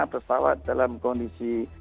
pesawat dalam kondisi